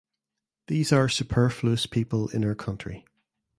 These are superfluous people in our country.